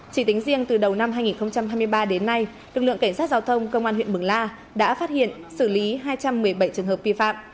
chỉ tính riêng từ đầu năm hai nghìn hai mươi ba đến nay lực lượng cảnh sát giao thông công an huyện mường la đã phát hiện xử lý hai trăm một mươi bảy trường hợp vi phạm